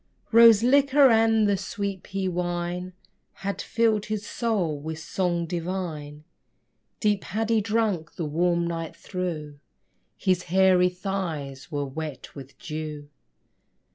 Rose liquor and the sweet pea wine Had filled his soul with song divine; Deep had he drunk the warm night through: His hairy thighs were wet with dew.